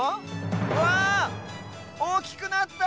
わっおおきくなった！